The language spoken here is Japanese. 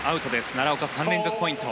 奈良岡、３連続ポイント。